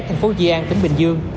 thành phố di an tỉnh bình dương